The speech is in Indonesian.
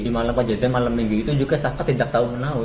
di malam pajak dan malam minggu itu juga saka tidak tahu menang